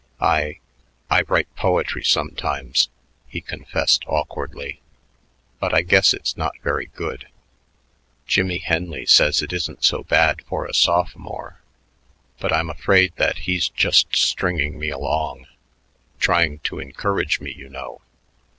I I write poetry sometimes," he confessed awkwardly, "but I guess it's not very good. Jimmie Henley says it isn't so bad for a sophomore, but I'm afraid that he's just stringing me along, trying to encourage me, you know.